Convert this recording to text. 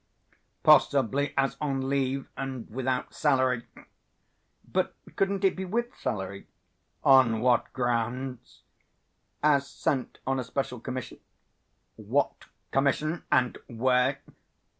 "Hm!... Possibly as on leave and without salary...." "But couldn't it be with salary?" "On what grounds?" "As sent on a special commission." "What commission and where?"